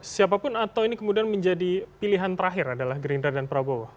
siapapun atau ini kemudian menjadi pilihan terakhir adalah gerindra dan prabowo